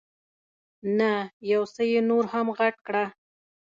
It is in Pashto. نه، یو څه یې نور هم غټ کړه.